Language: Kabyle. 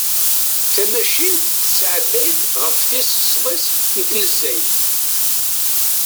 Tamacint tettɛedday-d ɣef tis sḍis n tnezzayt.